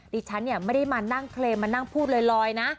ดิฉันเนี่ยไม่ได้มานั่งเคลมมานั่งพูดลอยนะ